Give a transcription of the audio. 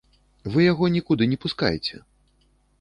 Вы яго нікуды не пускаеце.